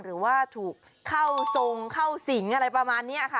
หรือว่าถูกเข้าทรงเข้าสิงอะไรประมาณนี้ค่ะ